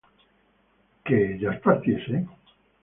¿que ellas partiesen?